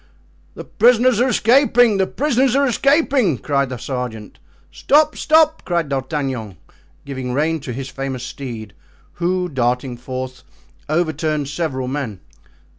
"The prisoners are escaping! the prisoners are escaping!" cried the sergeant. "Stop! stop!" cried D'Artagnan, giving rein to his famous steed, who, darting forth, overturned several men.